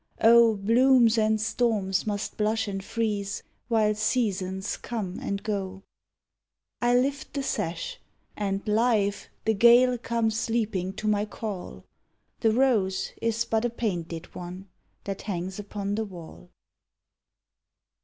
Oh, blooms and storms must blush and freeze, While seasons come and go! I lift the sash and live, the gale Comes leaping to my call. The rose is but a painted one That hangs upon the wall.